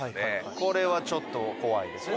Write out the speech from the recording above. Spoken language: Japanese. これはちょっと怖いですね。